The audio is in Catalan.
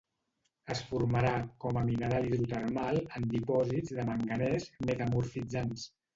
Es formarà com a mineral hidrotermal en dipòsits de manganès metamorfitzats.